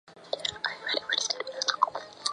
林师杰经理人合约男艺员。